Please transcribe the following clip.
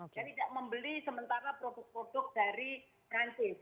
jadi tidak membeli sementara produk produk dari perancis